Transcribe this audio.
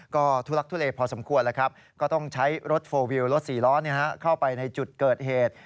ก็ทุลักทุเลพอสมควรแล้วครับก็ต้องใช้รถโฟลวิวรถ๔ล้อเข้าไปในจุดเกิดเหตุ